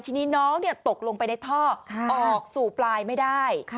ทีนี้น้องตกลงไปในท่อออกสู่ปลายไม่ได้